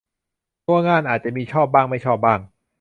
ตัวงานอาจจะมีชอบบ้างไม่ชอบบ้าง